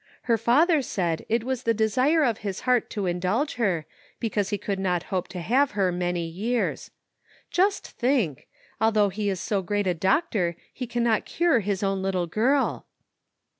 Her father said it was the desire of his heart to indulge her, because he could not hope to have her many years. Just think! although he is so great a doctor, he cannot cure his own little girl.